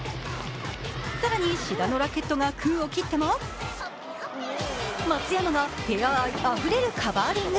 更に志田のラケットが空を切っても松山がペア愛あふれるカバーリング。